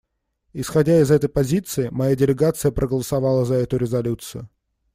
Исходя из этой позиции, моя делегация проголосовала за эту резолюцию.